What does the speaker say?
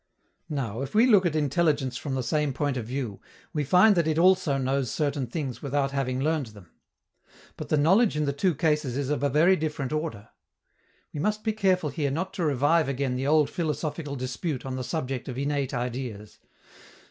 Now, if we look at intelligence from the same point of view, we find that it also knows certain things without having learned them. But the knowledge in the two cases is of a very different order. We must be careful here not to revive again the old philosophical dispute on the subject of innate ideas.